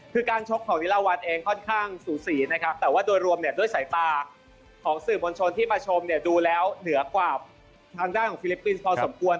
คือการชกของวิลาวันเองค่อนข้างสูสีนะครับแต่ว่าโดยรวมเนี่ยด้วยสายตาของสื่อมวลชนที่มาชมเนี่ยดูแล้วเหนือกว่าทางด้านของฟิลิปปินส์พอสมควร